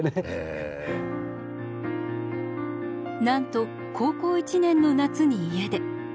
なんと高校１年の夏に家出。